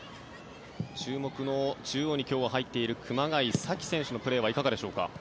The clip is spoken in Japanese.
注目の中央に今日は入っている熊谷紗希選手のプレーはいかがでしょうか？